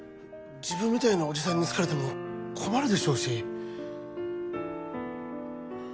自分みたいなおじさんに好かれても困るでしょうし。